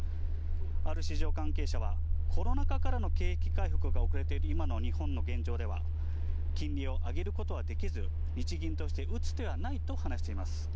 ある市場関係者は、コロナ禍からの景気回復が遅れている今の日本の現状では、金利を上げることはできず、日銀として打つ手はないと話しています。